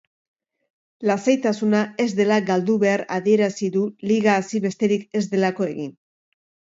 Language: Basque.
Lasaitasuna ez dela galdu behar adierazi du liga hasi besterik ez delako egin.